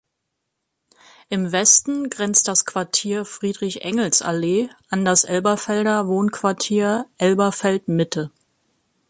Im Westen grenzt das Quartier Friedrich-Engels-Allee an das Elberfelder Wohnquartier Elberfeld-Mitte.